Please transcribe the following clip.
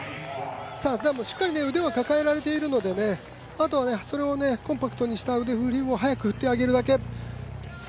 しっかり腕は抱えられているのであとはそれをコンパクトにした腕振りを、速く振ってあげるだけ。